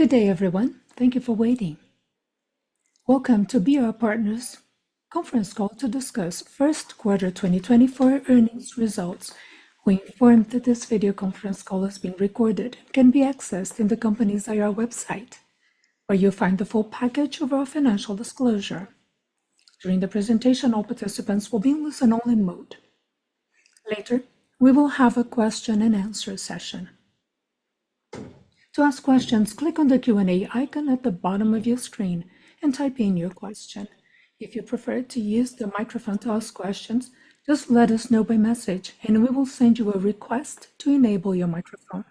Good day, everyone. Thank you for waiting. Welcome to BR Advisory Partners' conference call to discuss first quarter 2024 earnings results. We inform that this video conference call is being recorded and can be accessed in the company's IR website, where you'll find the full package of our financial disclosure. During the presentation, all participants will be in listen-only mode. Later, we will have a question-and-answer session. To ask questions, click on the Q&A icon at the bottom of your screen and type in your question. If you prefer to use the microphone to ask questions, just let us know by message, and we will send you a request to enable your microphone.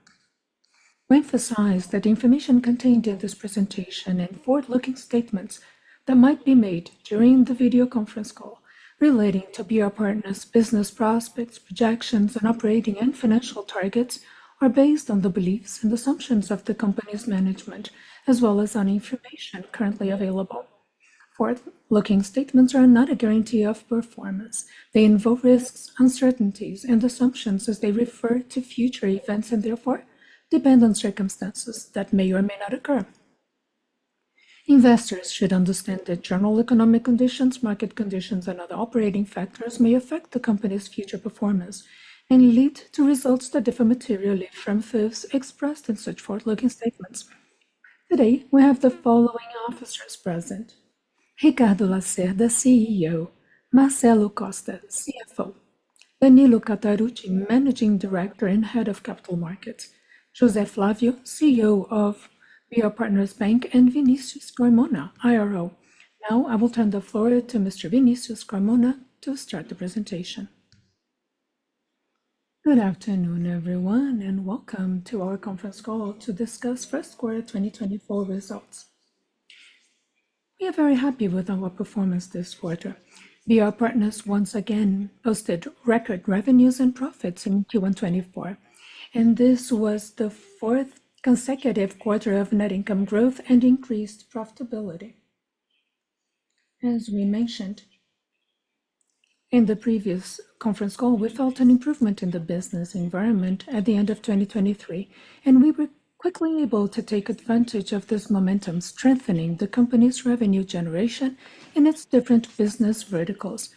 We emphasize that the information contained in this presentation and forward-looking statements that might be made during the video conference call relating to BR Advisory Partners' business prospects, projections, and operating and financial targets are based on the beliefs and assumptions of the company's management, as well as on information currently available. Forward-looking statements are not a guarantee of performance. They invoke risks, uncertainties, and assumptions as they refer to future events and, therefore, depend on circumstances that may or may not occur. Investors should understand that general economic conditions, market conditions, and other operating factors may affect the company's future performance and lead to results that differ materially from those expressed in such forward-looking statements. Today, we have the following officers present: Ricardo Lacerda, CEO; Marcelo Costa, CFO; Danilo Catarucci, Managing Director and Head of Capital Markets; José Flávio, CEO of BR Advisory Partners Bank; and Vinícius Carmona, IRO. Now I will turn the floor to Mr. Vinícius Carmona to start the presentation. Good afternoon, everyone, and welcome to our conference call to discuss first quarter 2024 results. We are very happy with our performance this quarter. BR Advisory Partners once again posted record revenues and profits in Q1/2024, and this was the fourth consecutive quarter of net income growth and increased profitability. As we mentioned in the previous conference call, we felt an improvement in the business environment at the end of 2023, and we were quickly able to take advantage of this momentum, strengthening the company's revenue generation in its different business verticals.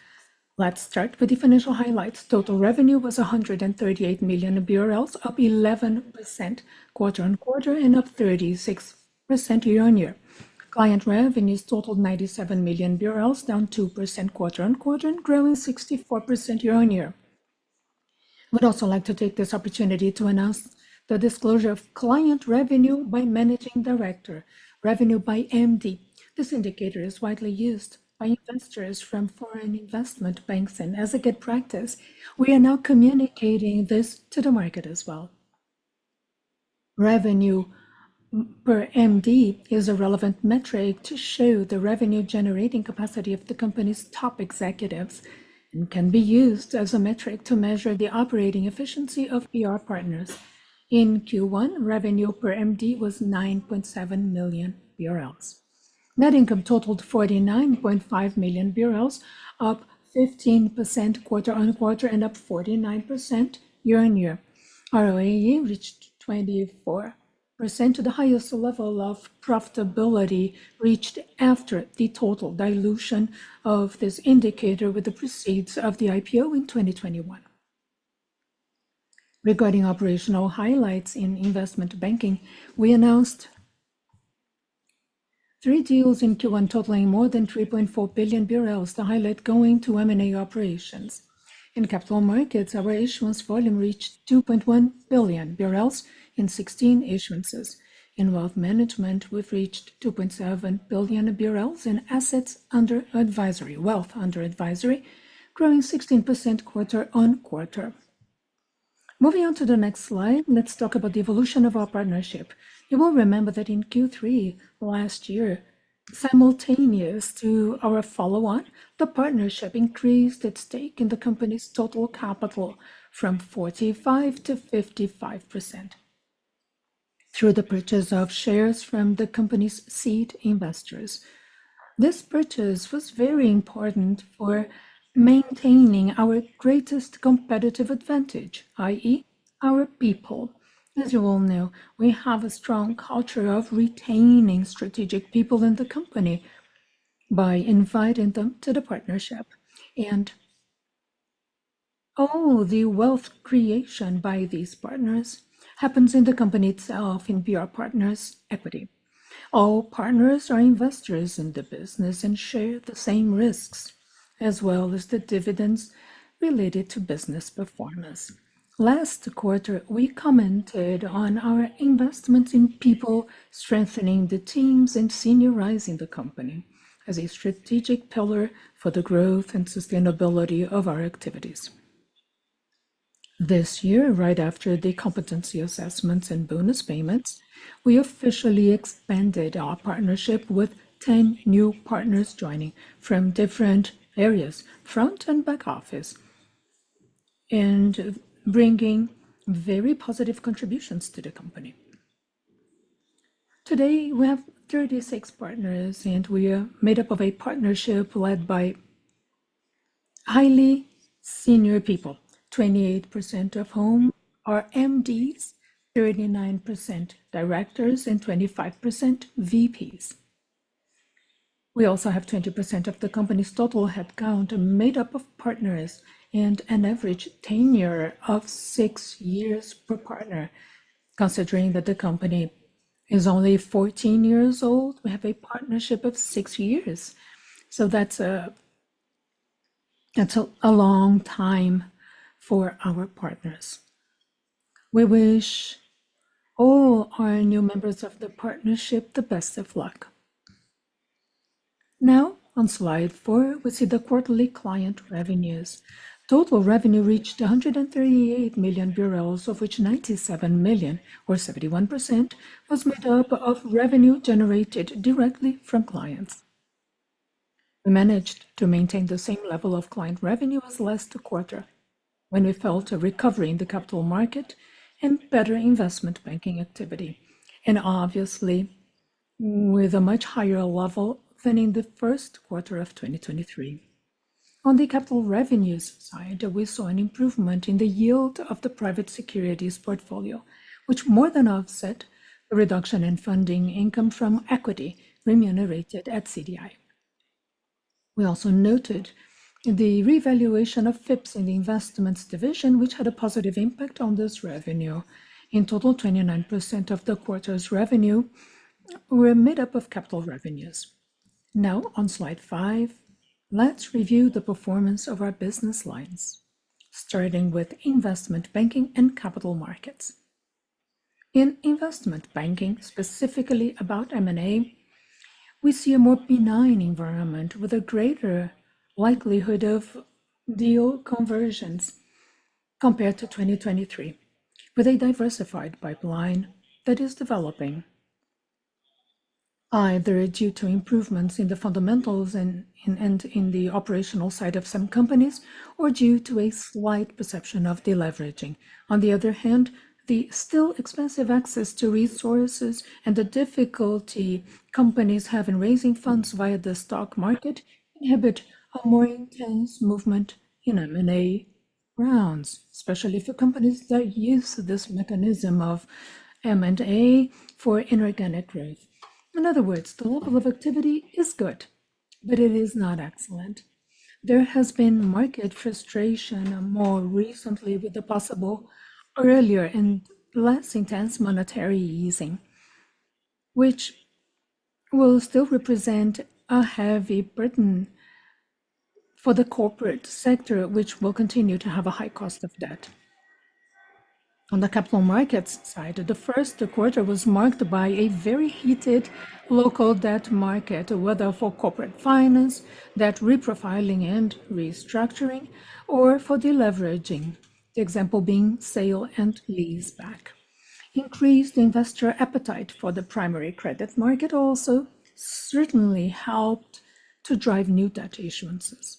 Let's start with the financial highlights. Total revenue was 138 million BRL, up 11% quarter-over-quarter and up 36% year-over-year. Client revenues totaled 97 million BRL, down 2% quarter-over-quarter, and growing 64% year-over-year. I would also like to take this opportunity to announce the disclosure of client revenue by Managing Director, revenue by MD. This indicator is widely used by investors from foreign investment banks, and as a good practice, we are now communicating this to the market as well. Revenue per MD is a relevant metric to show the revenue-generating capacity of the company's top executives and can be used as a metric to measure the operating efficiency of BR Advisory Partners. In Q1, revenue per MD was 9.7 million BRL. Net income totaled 49.5 million BRL, up 15% quarter-on-quarter and up 49% year-on-year. ROAE reached 24%, the highest level of profitability reached after the total dilution of this indicator with the proceeds of the IPO in 2021. Regarding operational highlights in investment banking, we announced three deals in Q1 totaling more than 3.4 billion BRL, the highlight going to M&A operations. In capital markets, our issuance volume reached 2.1 billion in 16 issuances. In wealth management, we've reached 2.7 billion in assets under advisory, wealth under advisory, growing 16% quarter-over-quarter. Moving on to the next slide, let's talk about the evolution of our partnership. You will remember that in Q3 last year, simultaneous to our follow-on, the partnership increased its stake in the company's total capital from 45% to 55% through the purchase of shares from the company's seed investors. This purchase was very important for maintaining our greatest competitive advantage, i.e., our people. As you all know, we have a strong culture of retaining strategic people in the company by inviting them to the partnership, and all the wealth creation by these partners happens in the company itself, in BR Advisory Partners' equity. All partners are investors in the business and share the same risks, as well as the dividends related to business performance. Last quarter, we commented on our investment in people, strengthening the teams and seniorizing the company as a strategic pillar for the growth and sustainability of our activities. This year, right after the competency assessments and bonus payments, we officially expanded our partnership with 10 new partners joining from different areas, front and back office, and bringing very positive contributions to the company. Today, we have 36 partners, and we are made up of a partnership led by highly senior people, 28% of whom are MDs, 39% directors, and 25% VPs. We also have 20% of the company's total headcount made up of partners and an average tenure of six years per partner. Considering that the company is only 14 years old, we have a partnership of six years, so that's a long time for our partners. We wish all our new members of the partnership the best of luck. Now, on slide four, we see the quarterly client revenues. Total revenue reached 138 million BRL, of which 97 million, or 71%, was made up of revenue generated directly from clients. We managed to maintain the same level of client revenue as last quarter when we felt a recovery in the capital market and better investment banking activity, and obviously with a much higher level than in the first quarter of 2023. On the capital revenues side, we saw an improvement in the yield of the private securities portfolio, which more than offset the reduction in funding income from equity remunerated at CDI. We also noted the revaluation of FIPs in the investments division, which had a positive impact on this revenue. In total, 29% of the quarter's revenue were made up of capital revenues. Now, on slide 5, let's review the performance of our business lines, starting with investment banking and capital markets. In investment banking, specifically about M&A, we see a more benign environment with a greater likelihood of deal conversions compared to 2023, with a diversified pipeline that is developing, either due to improvements in the fundamentals and in the operational side of some companies or due to a slight perception of deleveraging. On the other hand, the still expensive access to resources and the difficulty companies have in raising funds via the stock market inhibit a more intense movement in M&A rounds, especially for companies that use this mechanism of M&A for inorganic growth. In other words, the level of activity is good, but it is not excellent. There has been market frustration more recently with the possible earlier and less intense monetary easing, which will still represent a heavy burden for the corporate sector, which will continue to have a high cost of debt. On the capital markets side, the first quarter was marked by a very heated local debt market, whether for corporate finance, debt reprofiling and restructuring, or for deleveraging, the example being sale and lease back. Increased investor appetite for the primary credit market also certainly helped to drive new debt issuances.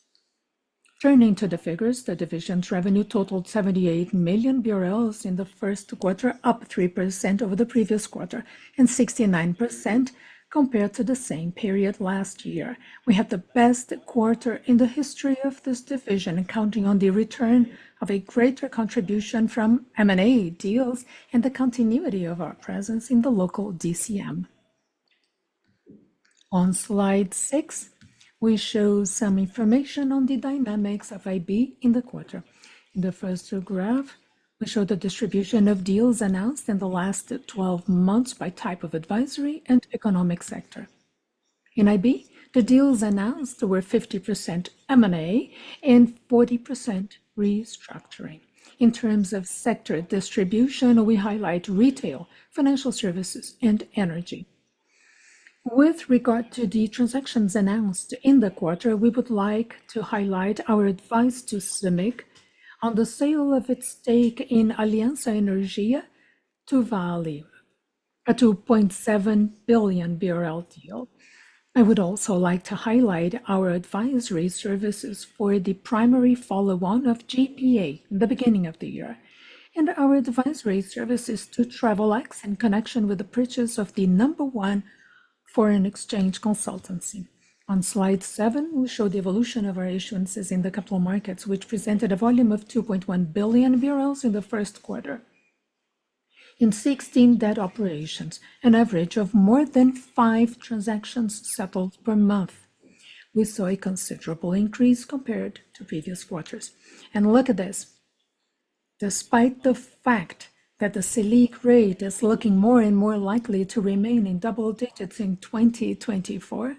Turning to the figures, the division's revenue totaled 78 million BRL in the first quarter, up 3% over the previous quarter and 69% compared to the same period last year. We had the best quarter in the history of this division, accounting for the return of a greater contribution from M&A deals and the continuity of our presence in the local DCM. On slide 6, we show some information on the dynamics of IB in the quarter. In the first 2 graphs, we show the distribution of deals announced in the last 12 months by type of advisory and economic sector. In IB, the deals announced were 50% M&A and 40% restructuring. In terms of sector distribution, we highlight retail, financial services, and energy. With regard to the transactions announced in the quarter, we would like to highlight our advice to Cemig on the sale of its stake in Aliança Energia to Vale, a 2.7 billion deal. I would also like to highlight our advisory services for the primary follow-on of GPA in the beginning of the year and our advisory services to Travelex in connection with the purchase of the number one foreign exchange consultancy. On slide 7, we show the evolution of our issuances in the capital markets, which presented a volume of 2.1 billion BRL in the first quarter. In 16 debt operations, an average of more than five transactions settled per month. We saw a considerable increase compared to previous quarters. Look at this. Despite the fact that the SELIC rate is looking more and more likely to remain in double digits in 2024,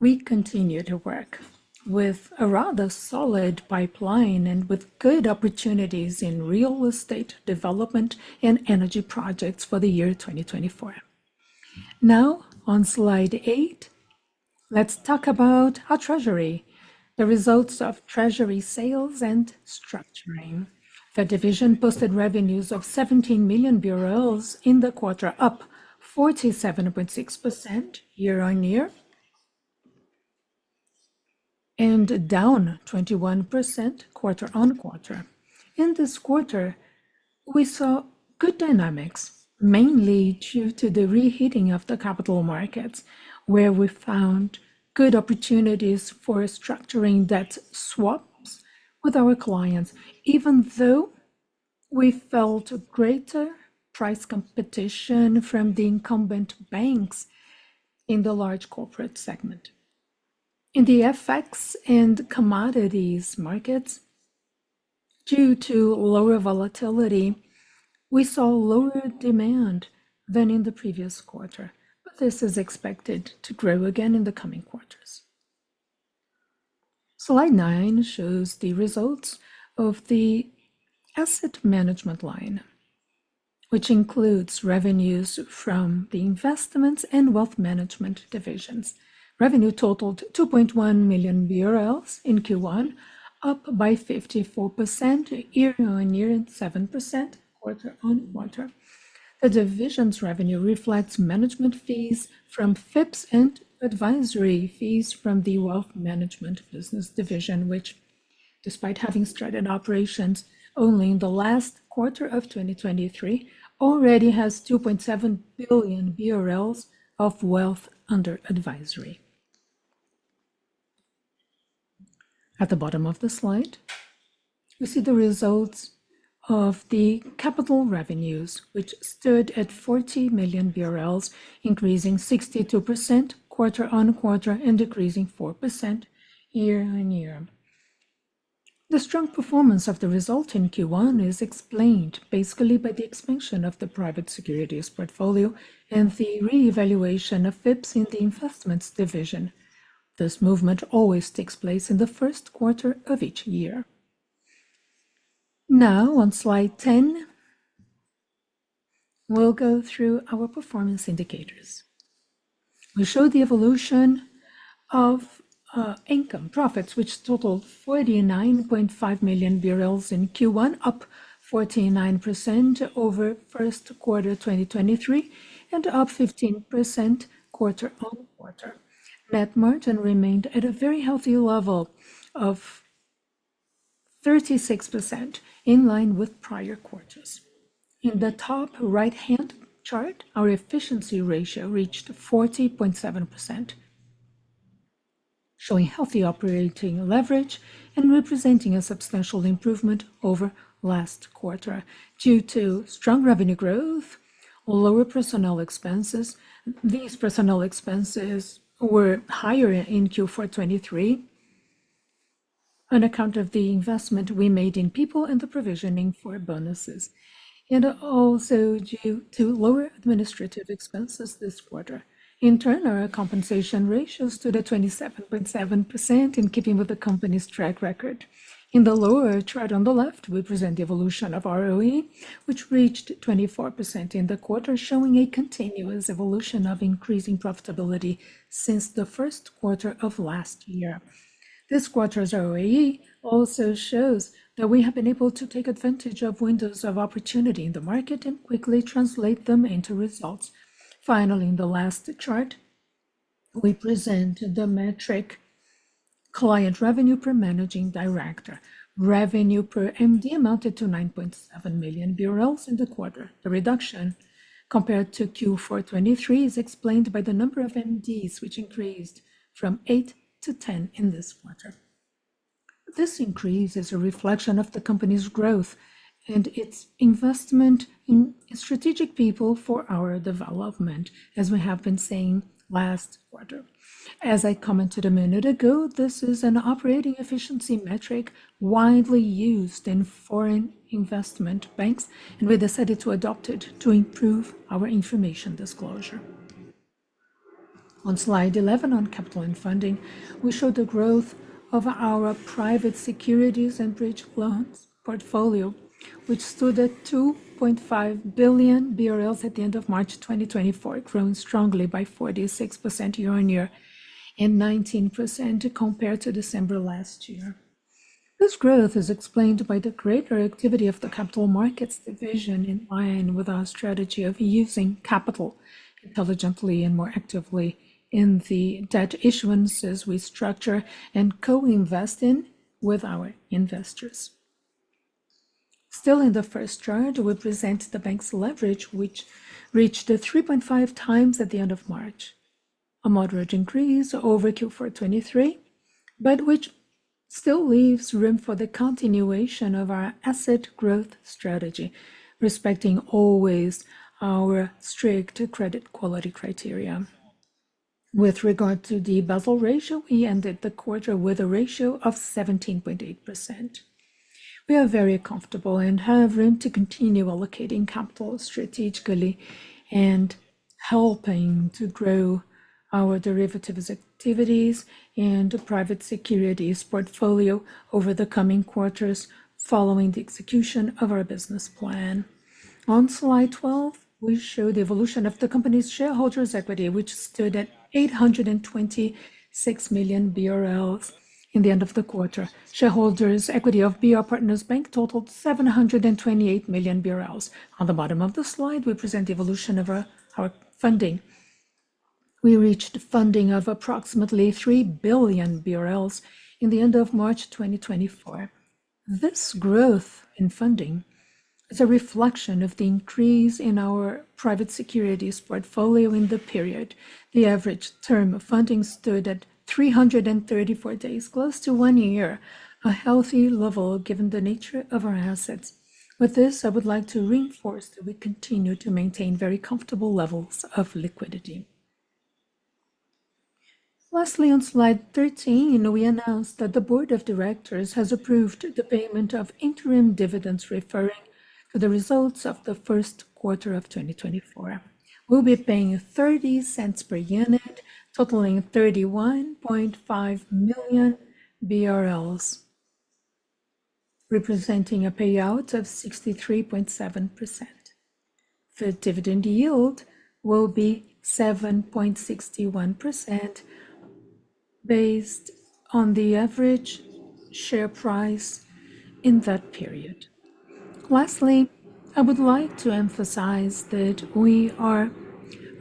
we continue to work with a rather solid pipeline and with good opportunities in real estate development and energy projects for the year 2024. Now, on slide eight, let's talk about our treasury, the results of treasury sales and structuring. The division posted revenues of 17 million BRL in the quarter, up 47.6% year-over-year and down 21% quarter-over-quarter. In this quarter, we saw good dynamics, mainly due to the reheating of the capital markets, where we found good opportunities for structuring debt swaps with our clients, even though we felt greater price competition from the incumbent banks in the large corporate segment. In the FX and commodities markets, due to lower volatility, we saw lower demand than in the previous quarter, but this is expected to grow again in the coming quarters. Slide 9 shows the results of the asset management line, which includes revenues from the investments and wealth management divisions. Revenue totaled 2.1 million BRL in Q1, up by 54% year-over-year and 7% quarter-over-quarter. The division's revenue reflects management fees from FIPs and advisory fees from the wealth management business division, which, despite having started operations only in the last quarter of 2023, already has 2.7 billion BRL of wealth under advisory. At the bottom of the slide, we see the results of the capital revenues, which stood at 40 million, increasing 62% quarter-over-quarter and decreasing 4% year-over-year. The strong performance of the result in Q1 is explained basically by the expansion of the private securities portfolio and the revaluation of FIPs in the investments division. This movement always takes place in the first quarter of each year. Now, on slide 10, we'll go through our performance indicators. We show the evolution of income profits, which totaled 49.5 million BRL in Q1, up 49% over first quarter 2023 and up 15% quarter-over-quarter. Net margin remained at a very healthy level of 36%, in line with prior quarters. In the top right-hand chart, our efficiency ratio reached 40.7%, showing healthy operating leverage and representing a substantial improvement over last quarter. Due to strong revenue growth, lower personnel expenses, these personnel expenses were higher in Q4 2023 on account of the investment we made in people and the provisioning for bonuses, and also due to lower administrative expenses this quarter. In turn, our compensation ratios stood at 27.7% in keeping with the company's track record. In the lower chart on the left, we present the evolution of ROE, which reached 24% in the quarter, showing a continuous evolution of increasing profitability since the first quarter of last year. This quarter's ROE also shows that we have been able to take advantage of windows of opportunity in the market and quickly translate them into results. Finally, in the last chart, we present the metric client revenue per managing director. Revenue per MD amounted to 9.7 million BRL in the quarter. The reduction compared to Q4 2023 is explained by the number of MDs, which increased from 8 to 10 in this quarter. This increase is a reflection of the company's growth and its investment in strategic people for our development, as we have been saying last quarter. As I commented a minute ago, this is an operating efficiency metric widely used in foreign investment banks, and we decided to adopt it to improve our information disclosure. On slide 11, on capital and funding, we show the growth of our private securities and bridge loans portfolio, which stood at 2.5 billion BRL at the end of March 2024, growing strongly by 46% year-on-year and 19% compared to December last year. This growth is explained by the greater activity of the capital markets division in line with our strategy of using capital intelligently and more actively in the debt issuances we structure and co-invest in with our investors. Still in the first chart, we present the bank's leverage, which reached 3.5 times at the end of March, a moderate increase over Q4 2023, but which still leaves room for the continuation of our asset growth strategy, respecting always our strict credit quality criteria. With regard to the Basel ratio, we ended the quarter with a ratio of 17.8%. We are very comfortable and have room to continue allocating capital strategically and helping to grow our derivatives activities and private securities portfolio over the coming quarters following the execution of our business plan. On slide 12, we show the evolution of the company's shareholders' equity, which stood at 826 million BRL in the end of the quarter. Shareholders' equity of BR Partners Bank totaled 728 million BRL. On the bottom of the slide, we present the evolution of our funding. We reached funding of approximately 3 billion BRL in the end of March 2024. This growth in funding is a reflection of the increase in our private securities portfolio in the period. The average term of funding stood at 334 days, close to one year, a healthy level given the nature of our assets. With this, I would like to reinforce that we continue to maintain very comfortable levels of liquidity. Lastly, on slide 13, we announced that the board of directors has approved the payment of interim dividends referring to the results of the first quarter of 2024. We'll be paying 0.30 per unit, totaling 31.5 million BRL, representing a payout of 63.7%. The dividend yield will be 7.61% based on the average share price in that period. Lastly, I would like to emphasize that we are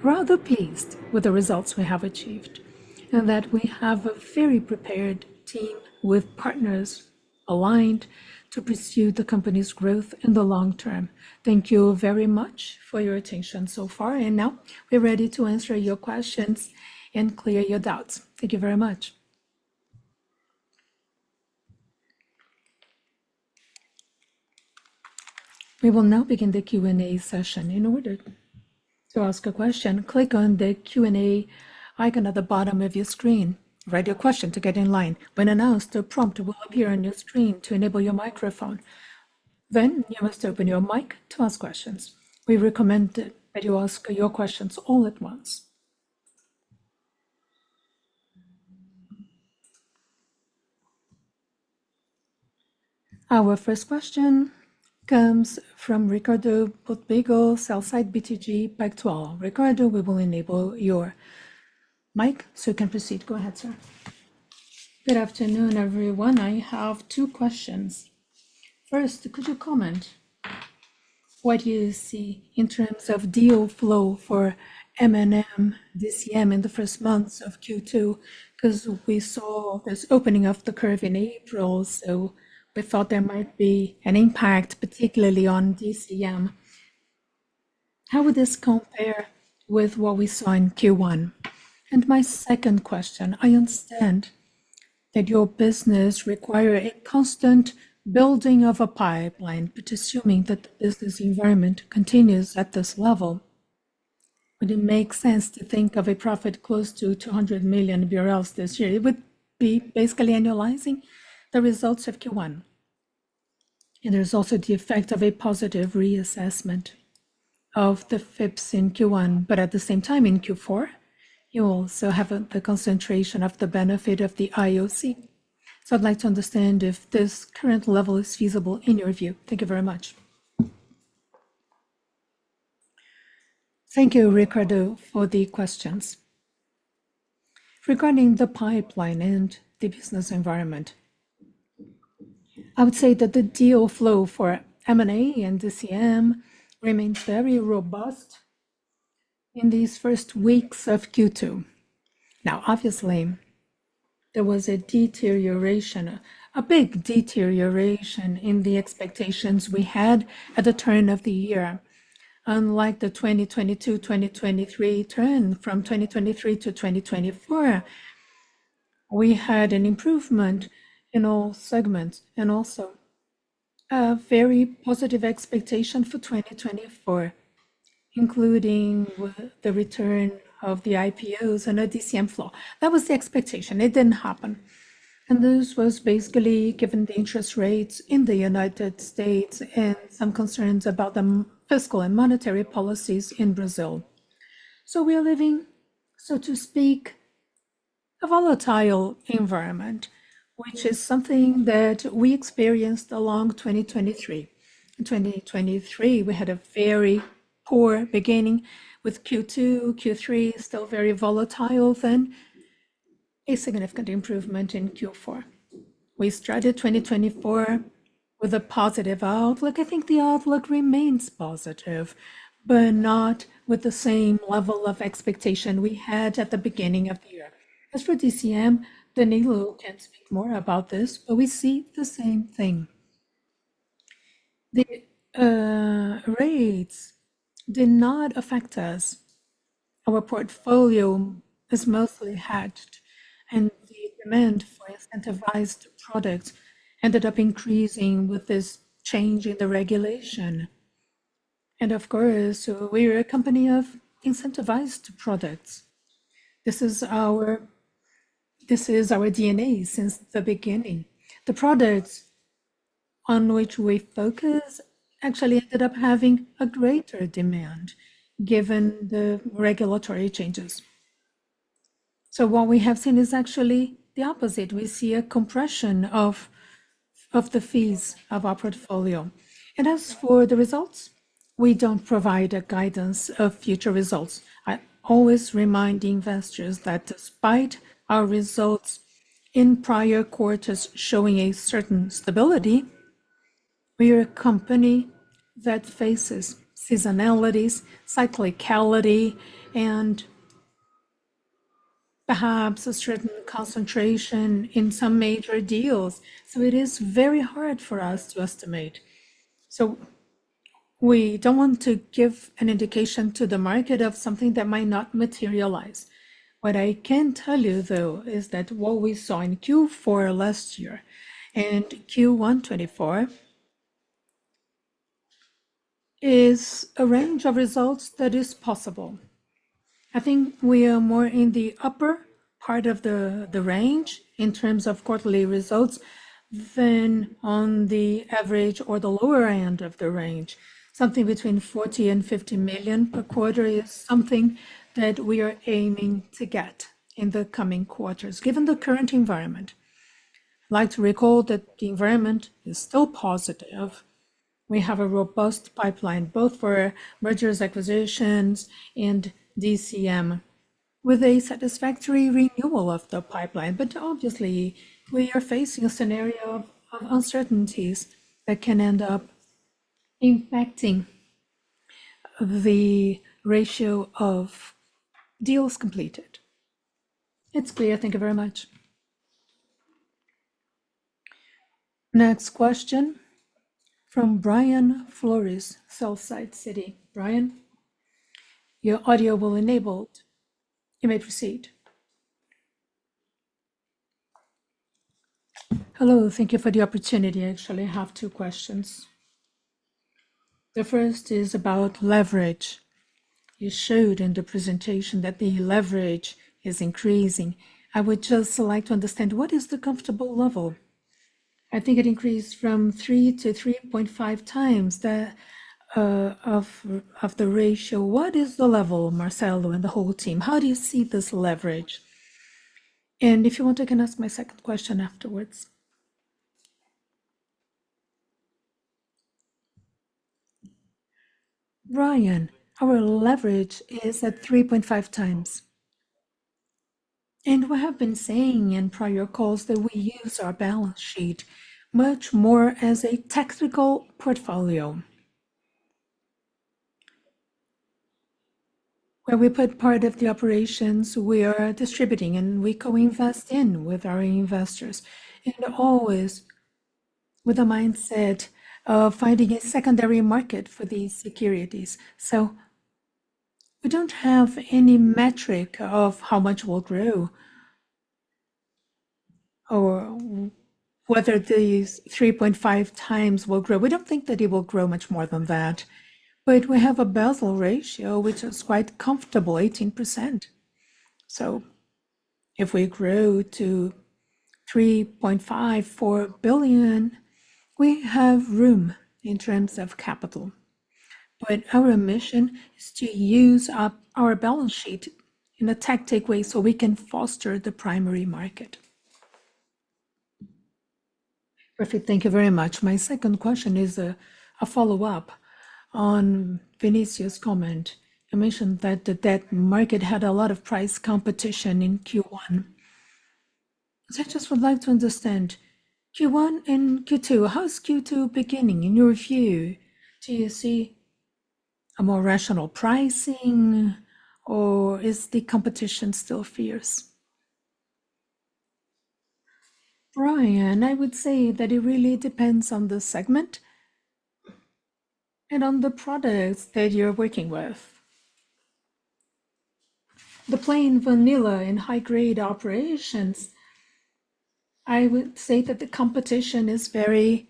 rather pleased with the results we have achieved and that we have a very prepared team with partners aligned to pursue the company's growth in the long term. Thank you very much for your attention so far, and now we're ready to answer your questions and clear your doubts. Thank you very much. We will now begin the Q&A session. In order to ask a question, click on the Q&A icon at the bottom of your screen. Write your question to get in line. When announced, a prompt will appear on your screen to enable your microphone. Then you must open your mic to ask questions. We recommend that you ask your questions all at once. Our first question comes from Ricardo Buchpiguel, sell-side BTG Pactual. Ricardo, we will enable your mic so you can proceed. Go ahead, sir. Good afternoon, everyone. I have two questions. First, could you comment what you see in terms of deal flow for M&A, DCM in the first months of Q2? Because we saw this opening of the curve in April, so we thought there might be an impact, particularly on DCM. How would this compare with what we saw in Q1? And my second question, I understand that your business requires a constant building of a pipeline, but assuming that the business environment continues at this level, would it make sense to think of a profit close to 200 million BRL this year? It would be basically annualizing the results of Q1. And there's also the effect of a positive reassessment of the FIPs in Q1, but at the same time, in Q4, you also have the concentration of the benefit of the IOC. So I'd like to understand if this current level is feasible in your view. Thank you very much. Thank you, Ricardo, for the questions. Regarding the pipeline and the business environment, I would say that the deal flow for M&A and DCM remains very robust in these first weeks of Q2. Now, obviously, there was a deterioration, a big deterioration in the expectations we had at the turn of the year. Unlike the 2022-2023 turn, from 2023 to 2024, we had an improvement in all segments and also a very positive expectation for 2024, including the return of the IPOs and a DCM flow. That was the expectation. It didn't happen. This was basically given the interest rates in the United States and some concerns about the fiscal and monetary policies in Brazil. So we are living, so to speak, a volatile environment, which is something that we experienced along 2023. In 2023, we had a very poor beginning with Q2, Q3, still very volatile then, a significant improvement in Q4. We started 2024 with a positive outlook. I think the outlook remains positive, but not with the same level of expectation we had at the beginning of the year. As for DCM, Danilo can speak more about this, but we see the same thing. The rates did not affect us. Our portfolio is mostly hedged, and the demand for incentivized products ended up increasing with this change in the regulation. And of course, we're a company of incentivized products. This is our DNA since the beginning. The products on which we focus actually ended up having a greater demand given the regulatory changes. So what we have seen is actually the opposite. We see a compression of the fees of our portfolio. And as for the results, we don't provide a guidance of future results. I always remind investors that despite our results in prior quarters showing a certain stability, we are a company that faces seasonalities, cyclicality, and perhaps a certain concentration in some major deals. So it is very hard for us to estimate. So we don't want to give an indication to the market of something that might not materialize. What I can tell you, though, is that what we saw in Q4 last year and Q1 2024 is a range of results that is possible. I think we are more in the upper part of the range in terms of quarterly results than on the average or the lower end of the range. Something between 40 million and 50 million per quarter is something that we are aiming to get in the coming quarters, given the current environment. I'd like to recall that the environment is still positive. We have a robust pipeline both for mergers, acquisitions, and DCM, with a satisfactory renewal of the pipeline. But obviously, we are facing a scenario of uncertainties that can end up impacting the ratio of deals completed. It's clear. Thank you very much. Next question from Brian Flores, Citi. Brian, your audio will enable. You may proceed. Hello. Thank you for the opportunity. Actually, I have two questions. The first is about leverage. You showed in the presentation that the leverage is increasing. I would just like to understand what is the comfortable level? I think it increased from 3x to 3.5x of the ratio. What is the level, Marcelo and the whole team? How do you see this leverage? And if you want, you can ask my second question afterwards. Brian, our leverage is at 3.5x. And we have been saying in prior calls that we use our balance sheet much more as a tactical portfolio, where we put part of the operations we are distributing and we co-invest in with our investors, and always with a mindset of finding a secondary market for these securities. So we don't have any metric of how much we'll grow or whether these 3.5x will grow. We don't think that it will grow much more than that. But we have a Basel Ratio, which is quite comfortable, 18%. So if we grow to 3.5 billion-4 billion, we have room in terms of capital. But our mission is to use up our balance sheet in a tactical way so we can foster the primary market. Perfect. Thank you very much. My second question is a follow-up on Vinícius's comment. You mentioned that the debt market had a lot of price competition in Q1. So I just would like to understand Q1 and Q2. How is Q2 beginning in your view? Do you see a more rational pricing, or is the competition still fierce? Brian, I would say that it really depends on the segment and on the products that you're working with. The plain vanilla in high-grade operations, I would say that the competition is very,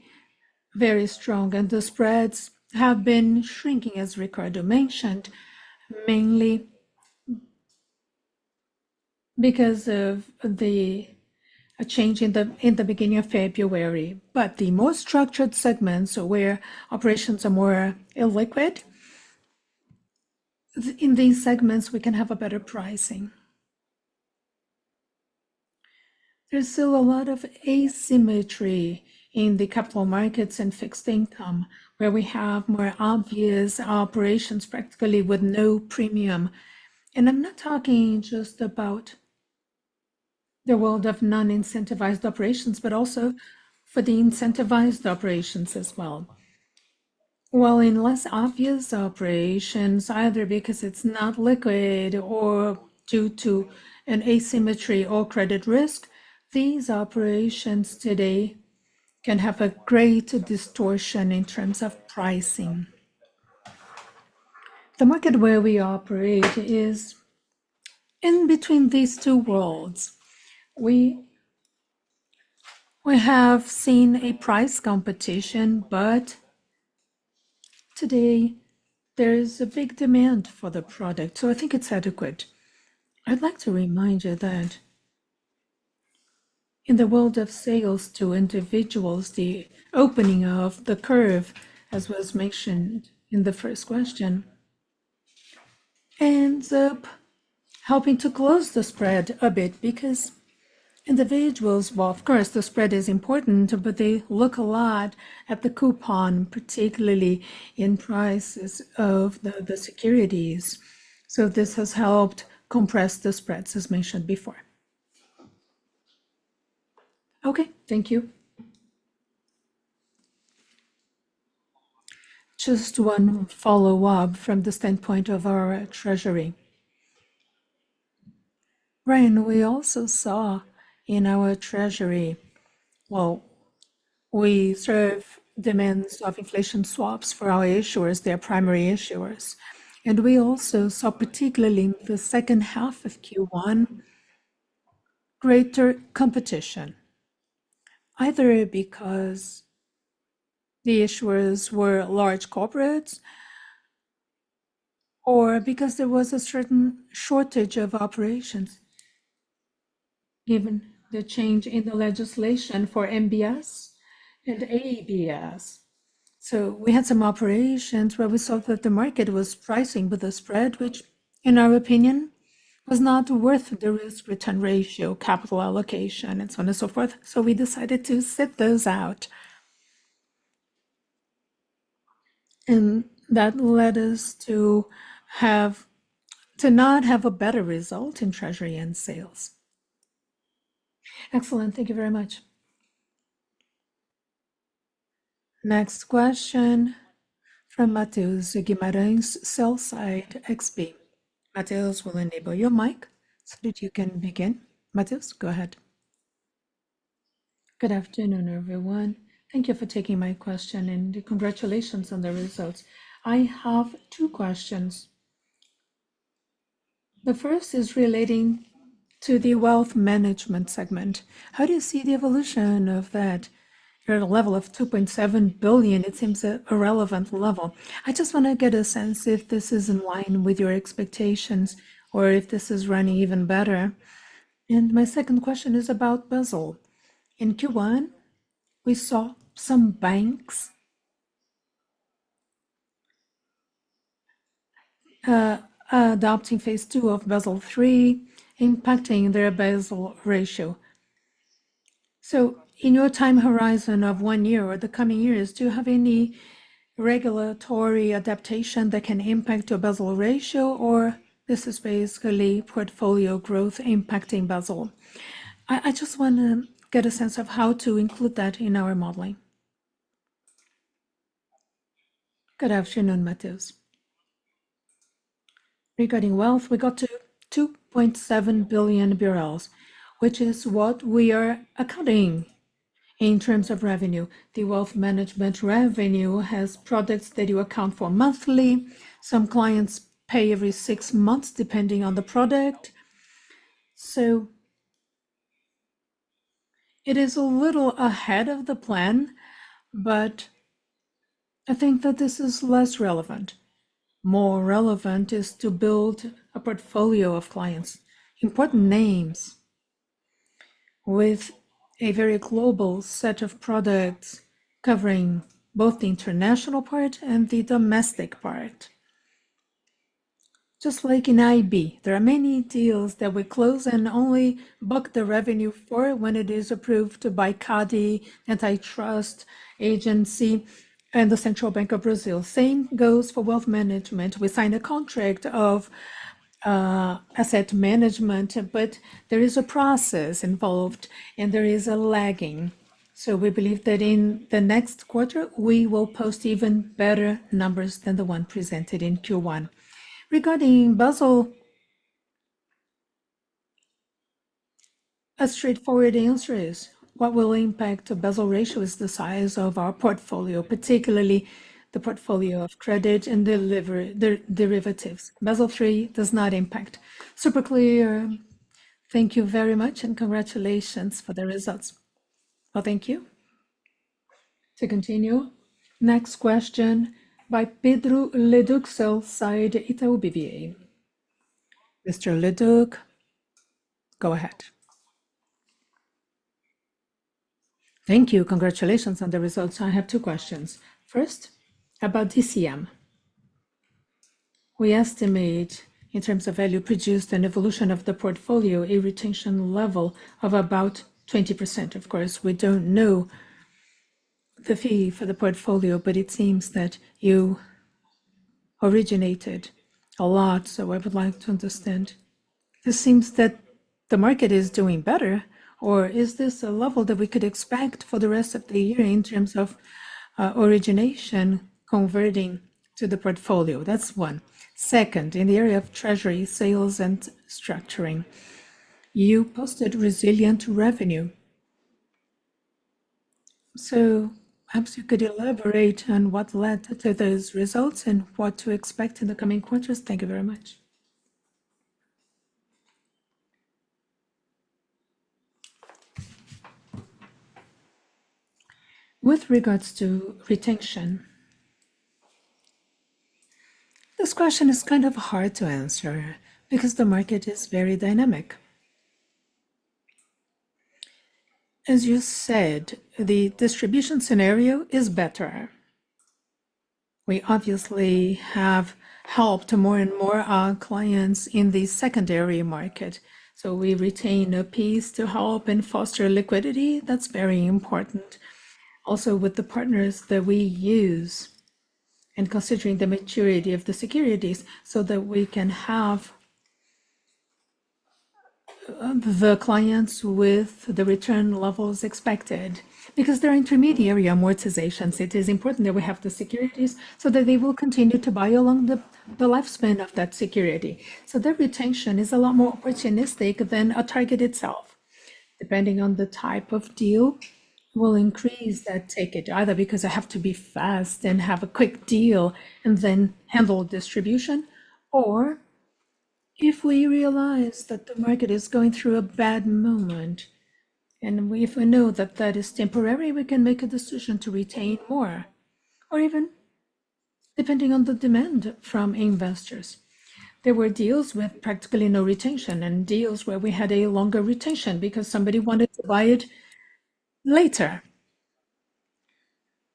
very strong, and the spreads have been shrinking, as Ricardo mentioned, mainly because of a change in the beginning of February. But the more structured segments where operations are more illiquid, in these segments, we can have a better pricing. There's still a lot of asymmetry in the capital markets and fixed income, where we have more obvious operations practically with no premium. And I'm not talking just about the world of non-incentivized operations, but also for the incentivized operations as well. While in less obvious operations, either because it's not liquid or due to an asymmetry or credit risk, these operations today can have a great distortion in terms of pricing. The market where we operate is in between these two worlds. We have seen a price competition, but today, there is a big demand for the product, so I think it's adequate. I'd like to remind you that in the world of sales to individuals, the opening of the curve, as was mentioned in the first question, ends up helping to close the spread a bit because individuals, well, of course, the spread is important, but they look a lot at the coupon, particularly in prices of the securities. So this has helped compress the spreads, as mentioned before. Okay. Thank you. Just one follow-up from the standpoint of our treasury. Brian, we also saw in our treasury, well, we serve demands of inflation swaps for our issuers, their primary issuers. And we also saw, particularly in the second half of Q1, greater competition, either because the issuers were large corporates or because there was a certain shortage of operations, given the change in the legislation for MBS and ABS. So we had some operations where we saw that the market was pricing with a spread, which, in our opinion, was not worth the risk-return ratio, capital allocation, and so on and so forth. So we decided to sit those out. And that led us to not have a better result in treasury and sales. Excellent. Thank you very much. Next question from Matheus Guimarães, sell-side XP. Mateus, we'll enable your mic so that you can begin. Mateus, go ahead. Good afternoon, everyone. Thank you for taking my question, and congratulations on the results. I have two questions. The first is relating to the wealth management segment. How do you see the evolution of that? You're at a level of 2.7 billion. It seems irrelevant level. I just want to get a sense if this is in line with your expectations or if this is running even better. My second question is about Basel. In Q1, we saw some banks adopting phase two of Basel III, impacting their Basel ratio. So in your time horizon of one year or the coming years, do you have any regulatory adaptation that can impact your Basel ratio, or this is basically portfolio growth impacting Basel? I just want to get a sense of how to include that in our modeling. Good afternoon, Mateus. Regarding wealth, we got to 2.7 billion BRL, which is what we are accounting in terms of revenue. The wealth management revenue has products that you account for monthly. Some clients pay every six months depending on the product. So it is a little ahead of the plan, but I think that this is less relevant. More relevant is to build a portfolio of clients, important names, with a very global set of products covering both the international part and the domestic part. Just like in IB, there are many deals that we close and only book the revenue for when it is approved by CADE, Antitrust Agency, and the Central Bank of Brazil. Same goes for wealth management. We sign a contract of asset management, but there is a process involved, and there is a lagging. So we believe that in the next quarter, we will post even better numbers than the one presented in Q1. Regarding Basel, a straightforward answer is what will impact a Basel ratio is the size of our portfolio, particularly the portfolio of credit and derivatives. Basel III does not impact. Super clear. Thank you very much, and congratulations for the results. Well, thank you. To continue, next question by Pedro Leduc, sell-side Itaú BBA. Mr. Leduc, go ahead. Thank you. Congratulations on the results. I have two questions. First, about DCM. We estimate, in terms of value produced and evolution of the portfolio, a retention level of about 20%. Of course, we don't know the fee for the portfolio, but it seems that you originated a lot, so I would like to understand. It seems that the market is doing better, or is this a level that we could expect for the rest of the year in terms of origination converting to the portfolio? That's one. Second, in the area of treasury sales and structuring, you posted resilient revenue. So perhaps you could elaborate on what led to those results and what to expect in the coming quarters. Thank you very much. With regards to retention, this question is kind of hard to answer because the market is very dynamic. As you said, the distribution scenario is better. We obviously have helped more and more clients in the secondary market, so we retain a piece to help and foster liquidity. That's very important. Also, with the partners that we use and considering the maturity of the securities so that we can have the clients with the return levels expected because there are intermediary amortizations. It is important that we have the securities so that they will continue to buy along the lifespan of that security. So the retention is a lot more opportunistic than a target itself. Depending on the type of deal, we'll increase that ticket either because I have to be fast and have a quick deal and then handle distribution, or if we realize that the market is going through a bad moment, and if we know that that is temporary, we can make a decision to retain more or even depending on the demand from investors. There were deals with practically no retention and deals where we had a longer retention because somebody wanted to buy it later.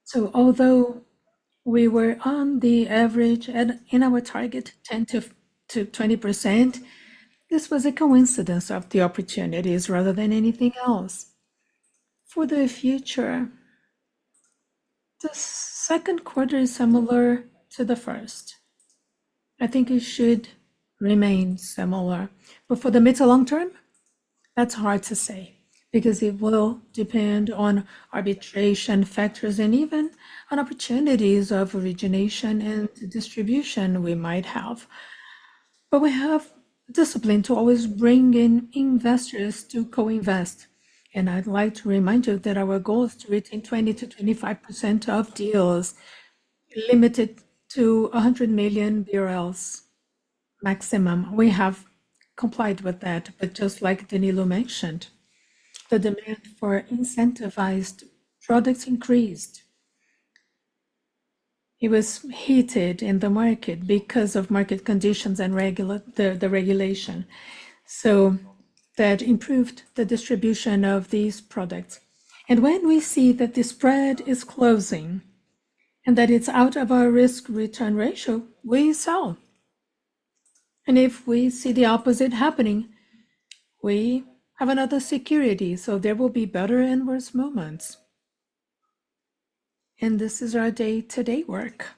So although we were on the average and in our target 10%-20%, this was a coincidence of the opportunities rather than anything else. For the future, the second quarter is similar to the first. I think it should remain similar. For the mid to long term, that's hard to say because it will depend on arbitration factors and even on opportunities of origination and distribution we might have. We have discipline to always bring in investors to co-invest. I'd like to remind you that our goal is to retain 20%-25% of deals limited to 100 million BRL maximum. We have complied with that. Just like Danilo mentioned, the demand for incentivized products increased. It was heated in the market because of market conditions and the regulation. That improved the distribution of these products. When we see that the spread is closing and that it's out of our risk-return ratio, we sell. If we see the opposite happening, we have another security. There will be better and worse moments. This is our day-to-day work.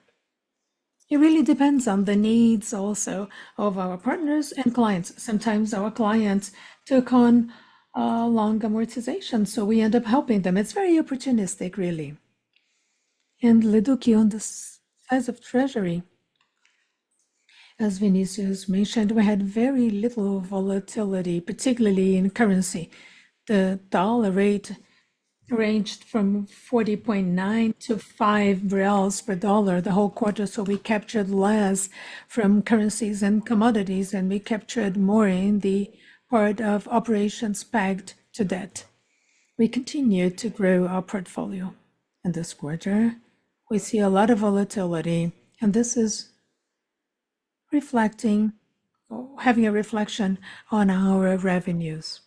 It really depends on the needs also of our partners and clients. Sometimes our clients took on long amortization, so we end up helping them. It's very opportunistic, really. And Leduc, on the size of treasury, as Vinícius mentioned, we had very little volatility, particularly in currency. The dollar rate ranged from 40.9 to 5 BRLs per dollar the whole quarter, so we captured less from currencies and commodities, and we captured more in the part of operations pegged to debt. We continue to grow our portfolio. In this quarter, we see a lot of volatility, and this is having a reflection on our revenues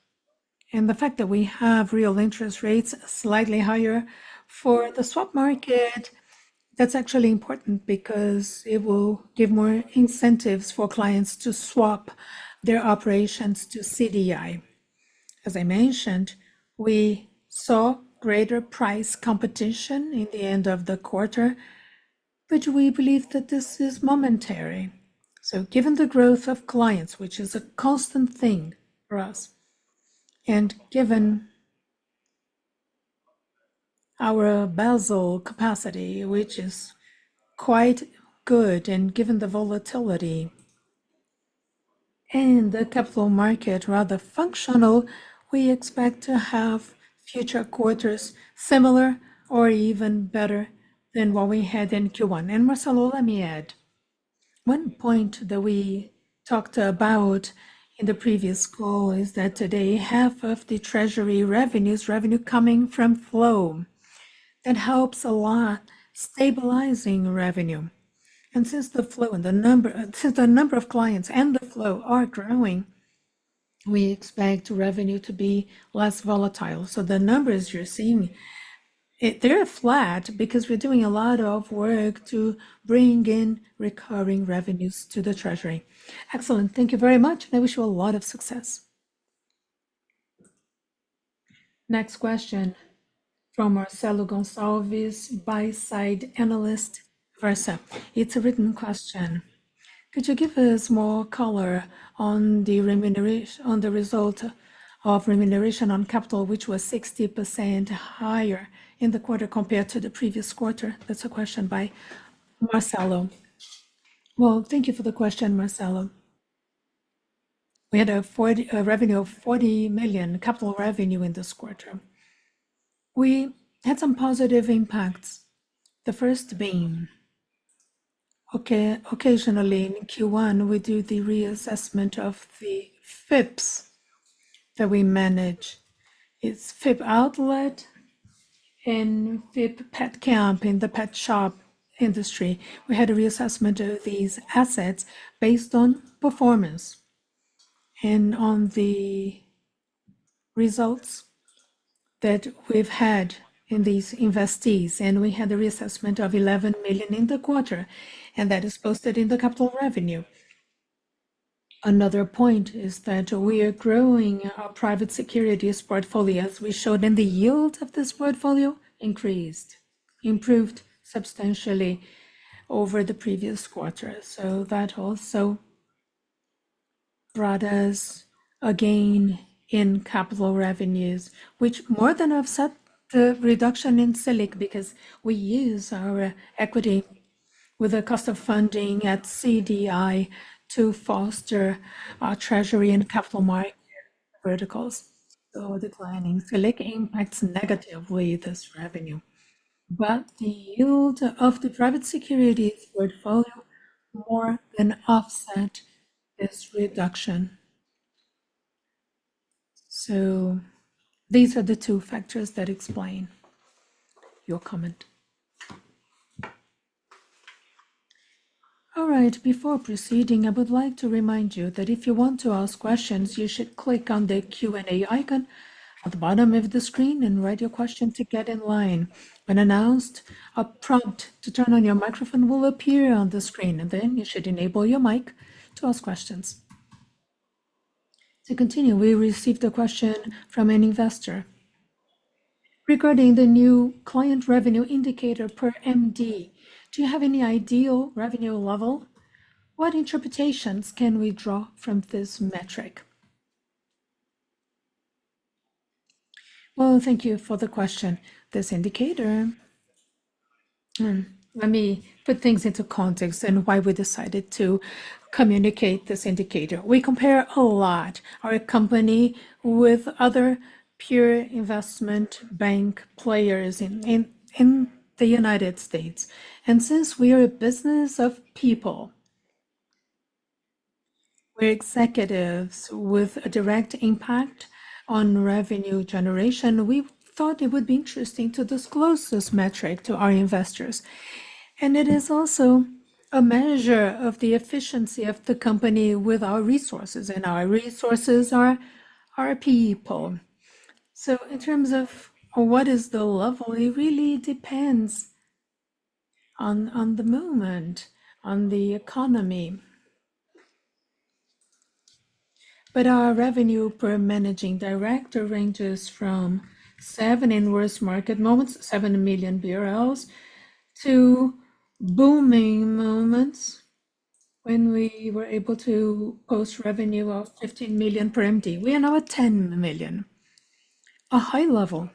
and the fact that we have real interest rates slightly higher. For the swap market, that's actually important because it will give more incentives for clients to swap their operations to CDI. As I mentioned, we saw greater price competition in the end of the quarter, but we believe that this is momentary. So given the growth of clients, which is a constant thing for us, and given our Basel capacity, which is quite good, and given the volatility and the capital market rather functional, we expect to have future quarters similar or even better than what we had in Q1. And Marcelo, let me add. One point that we talked about in the previous call is that today, half of the treasury revenues, revenue coming from flow, that helps a lot stabilizing revenue. And since the flow and the number of clients and the flow are growing, we expect revenue to be less volatile. So the numbers you're seeing, they're flat because we're doing a lot of work to bring in recurring revenues to the treasury. Excellent. Thank you very much, and I wish you a lot of success. Next question from Marcelo Gonçalves, Buyside analyst, Versa. It's a written question. Could you give us more color on the result of remuneration on capital, which was 60% higher in the quarter compared to the previous quarter? That's a question by Marcelo. Well, thank you for the question, Marcelo. We had a revenue of 40 million, capital revenue in this quarter. We had some positive impacts. The first being, occasionally in Q1, we do the reassessment of the FIPs that we manage. It's FIP Outlet and FIP Pet Camp in the pet shop industry. We had a reassessment of these assets based on performance and on the results that we've had in these investees. And we had a reassessment of 11 million in the quarter, and that is posted in the capital revenue. Another point is that we are growing our private securities portfolio. As we showed in the yield of this portfolio, increased, improved substantially over the previous quarter. So that also brought us a gain in capital revenues, which more than offset the reduction in SELIC because we use our equity with a cost of funding at CDI to foster our treasury and capital market verticals. So declining SELIC impacts negatively this revenue, but the yield of the private securities portfolio more than offset this reduction. So these are the two factors that explain your comment. All right. Before proceeding, I would like to remind you that if you want to ask questions, you should click on the Q&A icon at the bottom of the screen and write your question to get in line. When announced, a prompt to turn on your microphone will appear on the screen, and then you should enable your mic to ask questions. To continue, we received a question from an investor. Regarding the new client revenue indicator per MD, do you have any ideal revenue level? What interpretations can we draw from this metric? Well, thank you for the question. This indicator, let me put things into context and why we decided to communicate this indicator. We compare a lot our company with other peer investment bank players in the United States. And since we are a business of people, we're executives with a direct impact on revenue generation. We thought it would be interesting to disclose this metric to our investors. And it is also a measure of the efficiency of the company with our resources, and our resources are our people. So in terms of what is the level, it really depends on the moment, on the economy. But our revenue per managing director ranges from 7 million BRL in worst market moments to booming moments when we were able to post revenue of 15 million BRL per MD. We are now at 10 million BRL, a high level.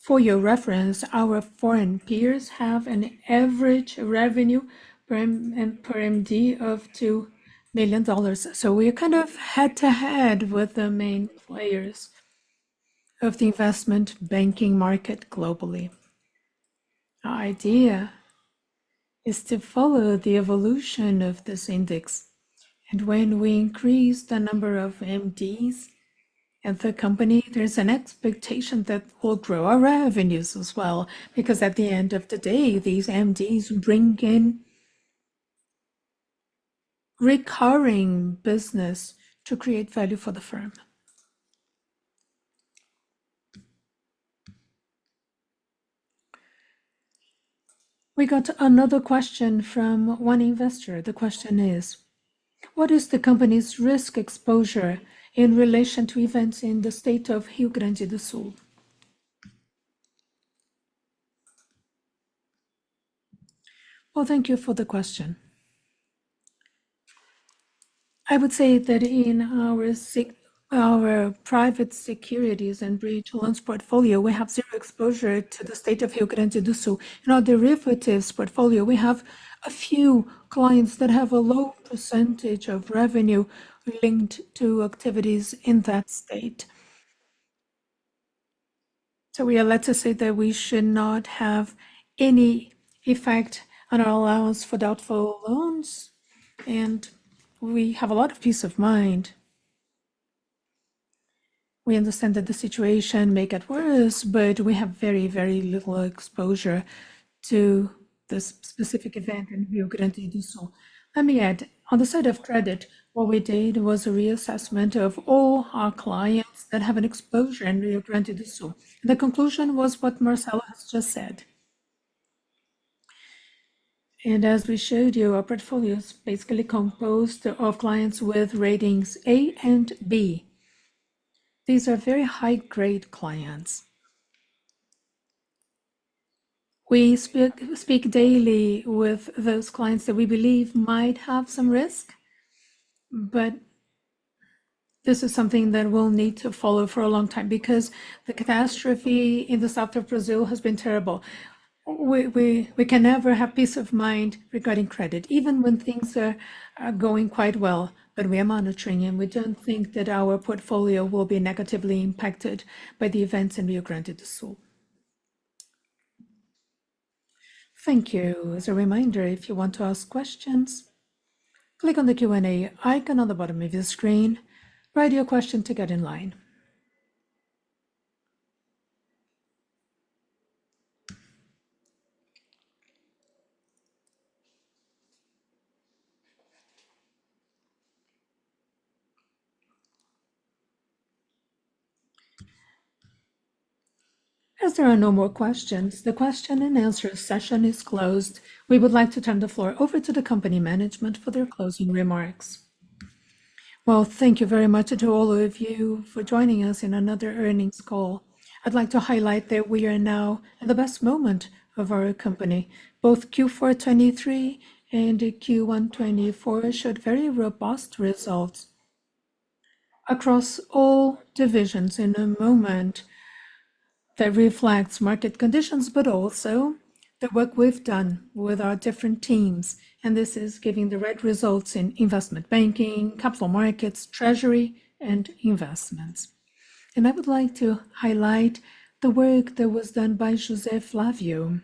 For your reference, our foreign peers have an average revenue per MD of $2 million. So we're kind of head-to-head with the main players of the investment banking market globally. Our idea is to follow the evolution of this index. And when we increase the number of MDs at the company, there's an expectation that we'll grow our revenues as well because at the end of the day, these MDs bring in recurring business to create value for the firm. We got another question from one investor. The question is, what is the company's risk exposure in relation to events in the state of Rio Grande do Sul? Well, thank you for the question. I would say that in our private securities and bridge loans portfolio, we have zero exposure to the state of Rio Grande do Sul. In our derivatives portfolio, we have a few clients that have a low percentage of revenue linked to activities in that state. So we are led to say that we should not have any effect on our allowance for doubtful loans, and we have a lot of peace of mind. We understand that the situation may get worse, but we have very, very little exposure to this specific event in Rio Grande do Sul. Let me add. On the side of credit, what we did was a reassessment of all our clients that have an exposure in Rio Grande do Sul. The conclusion was what Marcelo has just said. As we showed you, our portfolio is basically composed of clients with ratings A and B. These are very high-grade clients. We speak daily with those clients that we believe might have some risk, but this is something that we'll need to follow for a long time because the catastrophe in the south of Brazil has been terrible. We can never have peace of mind regarding credit, even when things are going quite well, but we are monitoring, and we don't think that our portfolio will be negatively impacted by the events in Rio Grande do Sul. Thank you. As a reminder, if you want to ask questions, click on the Q&A icon on the bottom of your screen. Write your question to get in line. As there are no more questions, the question-and-answer session is closed. We would like to turn the floor over to the company management for their closing remarks. Well, thank you very much to all of you for joining us in another earnings call. I'd like to highlight that we are now in the best moment of our company. Both Q4 2023 and Q1 2024 showed very robust results across all divisions in a moment that reflects market conditions, but also the work we've done with our different teams. And this is giving the right results in investment banking, capital markets, treasury, and investments. I would like to highlight the work that was done by José Flávio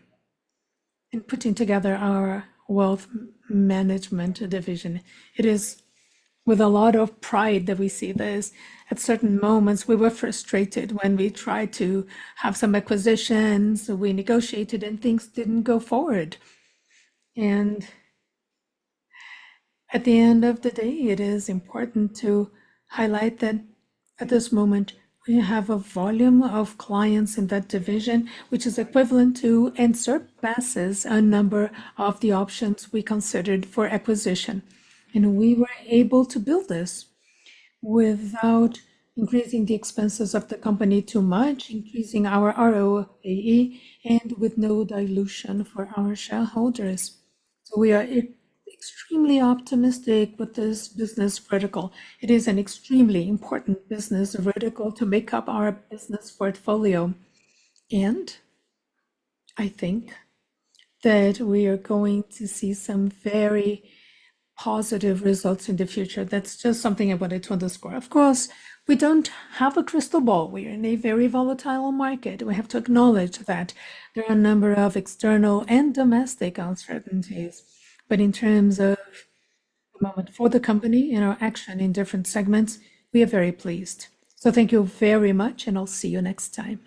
in putting together our wealth management division. It is with a lot of pride that we see this. At certain moments, we were frustrated when we tried to have some acquisitions. We negotiated, and things didn't go forward. At the end of the day, it is important to highlight that at this moment, we have a volume of clients in that division, which is equivalent to and surpasses a number of the options we considered for acquisition. We were able to build this without increasing the expenses of the company too much, increasing our ROAE, and with no dilution for our shareholders. So we are extremely optimistic with this business vertical. It is an extremely important business vertical to make up our business portfolio. I think that we are going to see some very positive results in the future. That's just something I wanted to underscore. Of course, we don't have a crystal ball. We are in a very volatile market. We have to acknowledge that there are a number of external and domestic uncertainties. In terms of the moment for the company and our action in different segments, we are very pleased. Thank you very much, and I'll see you next time.